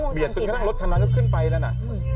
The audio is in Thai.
ขึ้นตรงข้างบนแล้วนะ